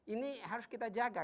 ini harus kita jaga